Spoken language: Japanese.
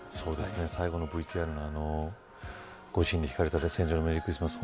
最後のＶＴＲのご自身で弾かれている戦場のメリークリスマス